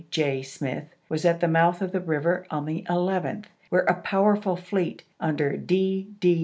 J. Smith, was at the mouth of the river on the 11th, where a powerful fleet, under D. D.